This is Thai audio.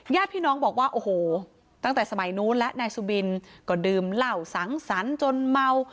ญาติพี่น้องบอกว่าโอ้โหตั้งแต่สมัยนู้นและนายสุบินก็ดื่มเหล้าสังสรรค์จนเมา